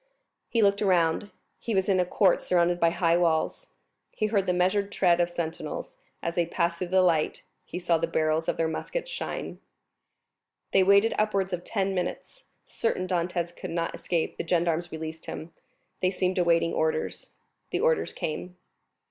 He looked around; he was in a court surrounded by high walls; he heard the measured tread of sentinels, and as they passed before the light he saw the barrels of their muskets shine. They waited upwards of ten minutes. Certain Dantès could not escape, the gendarmes released him. They seemed awaiting orders. The orders came.